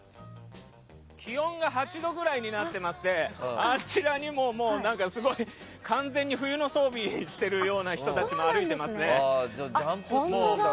気温が８度ぐらいでしてあちらにももうすごい完全に冬の装備しているような人たちが歩いていますね。